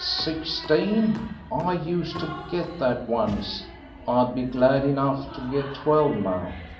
"Sixteen! I used to get that once; I'd be glad enough to get twelve now.